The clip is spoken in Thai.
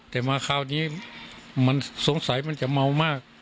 แต่มาคราวนี้มันสงสัยมันจะเมามาก